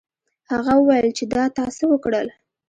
هغه وویل چې دا تا څه وکړل.